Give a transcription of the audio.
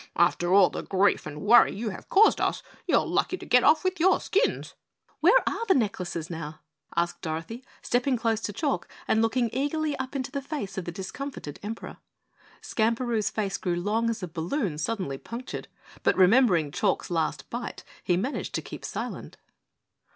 "After all the grief and worry you have caused us, you are lucky to get off with your skins." "Where are the necklaces now?" asked Dorothy, stepping close to Chalk and looking eagerly up into the face of the discomfited Emperor. Skamperoo's face grew long as a balloon suddenly punctured, but remembering Chalk's last bite, he managed to keep silent.